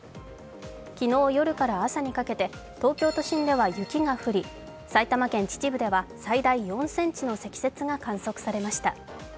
昨日夜から朝にかけて東京都心では雪が降り埼玉県・秩父で最大４ｃｍの積雪が観測されました。